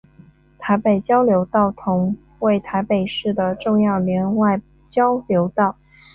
台北交流道同为台北市的重要联外交流道。